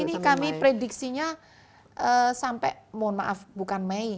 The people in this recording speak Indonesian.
ini kami prediksinya sampai mohon maaf bukan mei